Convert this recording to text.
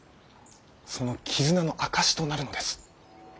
その絆の証しとなるのです。